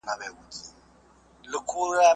ړوند ښوونکي په ګڼ ځای کي اوږده کیسه نه وه کړې.